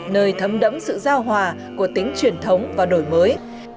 nơi thấm đẫm sự giao hòa của tính truyền thống và đổi mới